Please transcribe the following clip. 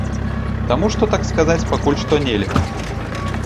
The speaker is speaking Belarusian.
Таму што так сказаць пакуль што нельга.